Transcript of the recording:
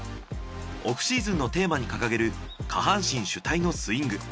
オフシーズンのテーマに掲げる下半身主体のスイング。